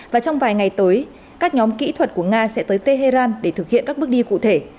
và trong vài ngày tới các nhóm kỹ thuật của nga sẽ tới tehran để thực hiện các bước đi cụ thể